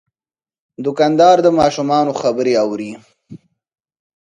دوکاندار د ماشومانو خبرې اوري.